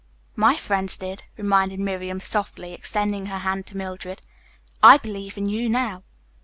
"My friends did," reminded Miriam softly, extending her hand to Mildred. "I believe in you now."